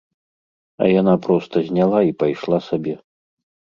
А яна проста зняла і пайшла сабе!